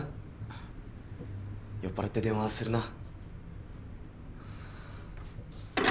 酔っ払って電話をするな。